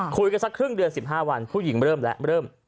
คุยกันสักครึ่งเดือน๑๕วันผู้หญิงมาเริ่มแล้วมาเริ่ม